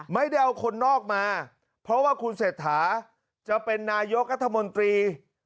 ไม่ได้เอาคนนอกมาเพราะว่าคุณเศรษฐาจะเป็นนายกรัฐมนตรี